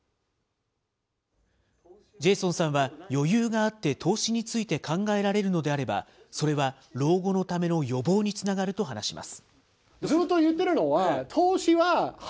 ジェイソンさんは、余裕があって投資について考えられるのであれば、それは老後のための予防につながると話します。